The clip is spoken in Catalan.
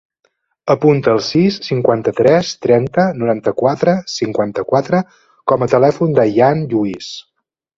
Apunta el sis, cinquanta-tres, trenta, noranta-quatre, cinquanta-quatre com a telèfon de l'Ayaan Lluis.